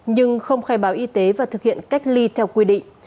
nhưng không khai báo y tế và thực hiện cách ly theo quy định